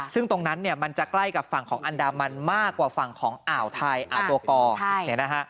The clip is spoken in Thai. ซึ่งตรงนั้นเนี่ยมันจะใกล้กับฝั่งของอันดามันมากกว่าฝั่งของอ่าวไทยอ่าวตัวกอ